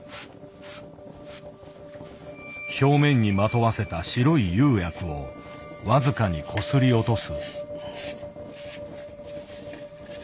表面にまとわせた白い釉薬を僅かにこすり落とす。